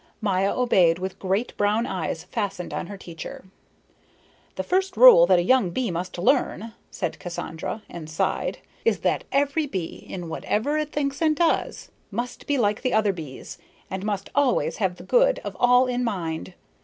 Maya obeyed, with great brown eyes fastened on her teacher. "The first rule that a young bee must learn," said Cassandra, and sighed, "is that every bee, in whatever it thinks and does, must be like the other bees and must always have the good of all in mind.